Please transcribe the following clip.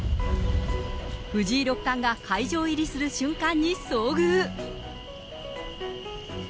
藤井六冠が会場入りする瞬間に遭遇。